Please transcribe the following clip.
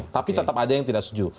tapi tetap ada yang tidak setuju